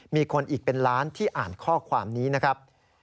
มีคนอีกเป็นล้านที่อ่านข้อความนี้นะครับ